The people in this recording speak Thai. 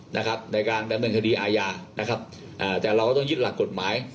ในการดำเนินคดีอาญานะครับเอ่อแต่เราก็ต้องยึดหลักกฎหมาย